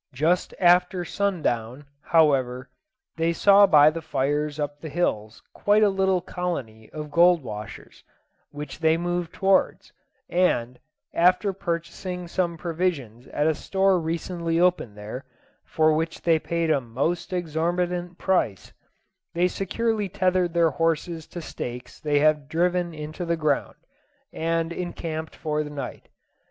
Just after sundown, however, they saw by the fires up the hills quite a little colony of gold washers, which they moved towards; and, after purchasing some provisions at a store recently opened there, for which they paid a most exorbitant price, they securely tethered their horses to stakes they had driven in the ground, and encamped for the night.